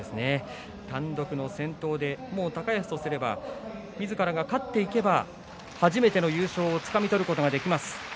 単独の先頭でもう高安とすればみずからが勝っていけば初めての優勝をつかみ取ることができます。